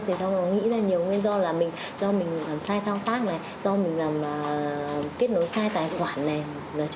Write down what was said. thì họ nghĩ ra nhiều nguyên do là do mình làm sai thao phát này do mình làm kết nối sai tài khoản này